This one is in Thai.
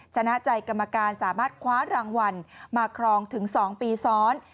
ชนะใจกรรมการสามารถคว้ารางวัลมาครองถึง๒ปีซ้อน